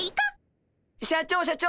社長社長。